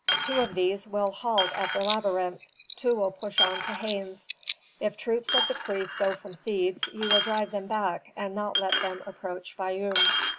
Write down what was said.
Two of these will halt at the labyrinth, two will push on to Hanes. If troops of the priests go from Thebes ye will drive them back and not let them approach Fayum.